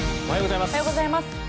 おはようございます。